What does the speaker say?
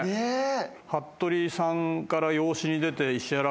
服部さんから養子に出て石原